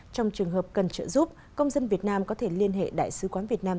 trong trường hợp cần trợ giúp công dân việt nam có thể liên hệ đại sứ quán việt nam